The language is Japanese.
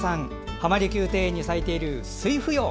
浜離宮庭園に咲いているスイフヨウ。